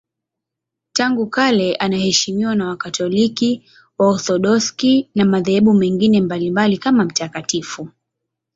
Tangu kale anaheshimiwa na Wakatoliki, Waorthodoksi na madhehebu mengine mbalimbali kama mtakatifu.